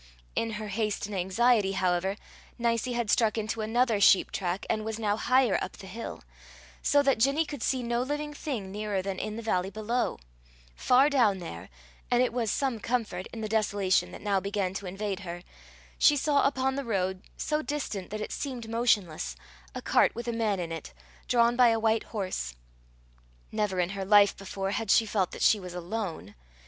In her haste and anxiety, however, Nicie had struck into another sheep track, and was now higher up the hill; so that Ginny could see no living thing nearer than in the valley below: far down there and it was some comfort, in the desolation that now began to invade her she saw upon the road, so distant that it seemed motionless, a cart with a man in it, drawn by a white horse. Never in her life before had she felt that she was alone.